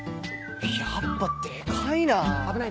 やっぱデカいな。